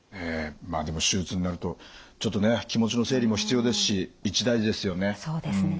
でも手術になるとちょっとね気持ちの整理も必要ですし一大事ですよね。